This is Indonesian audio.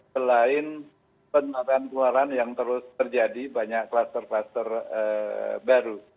selain penataan keluaran yang terus terjadi banyak kluster kluster baru